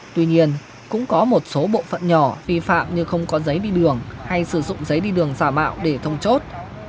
tuy nhiên cũng có một số bộ phận nhỏ vi phạm như không có giấy đi đường hay sử dụng giấy đi đường giả mạo để thông chốt